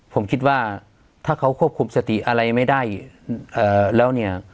ผมคิดว่าถ้าเขาควบคุมสติอะไรไม่ได้แล้วเนี่ย